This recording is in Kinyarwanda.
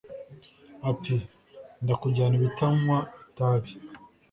Ati : Ndakujyana ibutanywa itabi